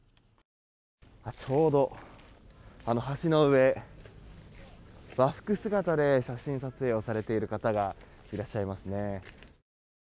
ちょうど橋の上和服姿で写真撮影をされている方がいらっしゃいますね。